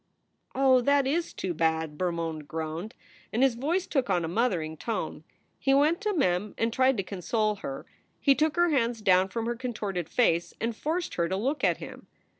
"Oh, that is too bad!" Bermond groaned, and his voice took on a mothering tone. He went to Mem and tried to console her. He took her hands down from her contorted face and forced her to look at him.